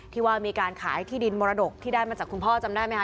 ที่ว่ามีการขายที่ดินมรดกที่ได้มาจากคุณพ่อจำได้ไหมคะ